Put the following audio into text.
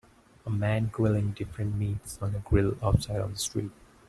A man grilling different meats on a grill outside on the street.